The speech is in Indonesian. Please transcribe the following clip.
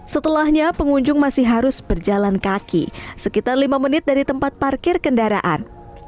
setelahnya pengunjung masih harus berjalan kaki sekitar lima menit dari tempat parkir kendaraan